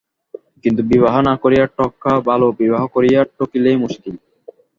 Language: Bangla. কিন্তু বিবাহ না করিয়া ঠকা ভালো, বিবাহ করিয়া ঠকিলেই মুশকিল।